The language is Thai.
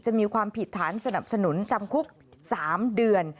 จะมีความผิดฐานสนับสนุนจำคุก๓เดือน